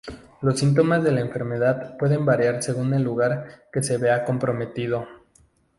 Los síntomas de la enfermedad pueden variar según el lugar que se vea comprometido.